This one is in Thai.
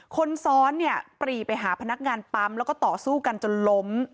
คนซ้อนเนี่ยปรีไปหาพนักงานปั๊มแล้วก็ต่อสู้กันจนล้ม